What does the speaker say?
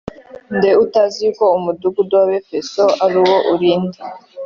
Nde utazi yuko umudugudu w abefeso ari wo urinda